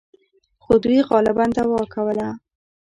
خو دوی غالباً دعوا کوله.